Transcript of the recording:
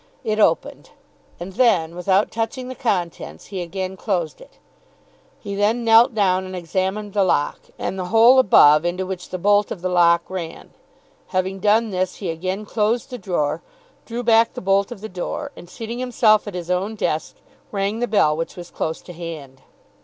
It opened; and then, without touching the contents, he again closed it. He then knelt down and examined the lock, and the hole above into which the bolt of the lock ran. Having done this he again closed the drawer, drew back the bolt of the door, and, seating himself at his own desk, rang the bell which was close to hand.